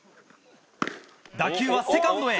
打球はセカンドへ！